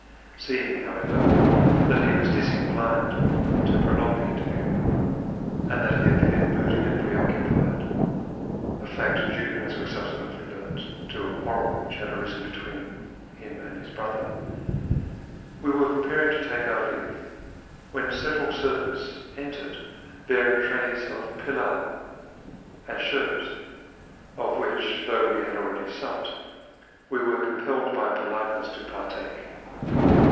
Seeing, however, that he was disinclined to prolong the inter view, and that he appeared moody and preoccupied (a fact due, as we subsequently learned, to a quarrel which had arisen between him and his brother), we were preparing to take our leave when several servants entered bearing trays oi inlaw and slurhct, of which, though we had already supped, we were com pelled by politeness to partake.